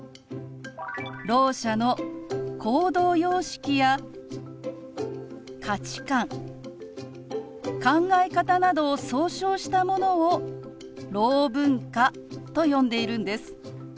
ろう者の行動様式や価値観考え方などを総称したものをろう文化と呼んでいるんです。